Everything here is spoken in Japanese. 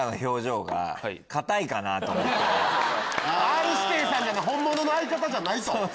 Ｒ−指定さんじゃない本物の相方じゃない。